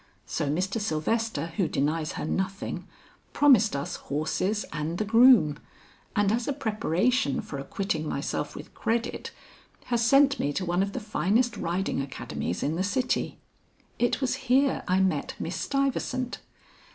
So Mr. Sylvester who denies her nothing, promised us horses and the groom, and as a preparation for acquitting myself with credit, has sent me to one of the finest riding academies in the city. It was here I met Miss Stuyvesant.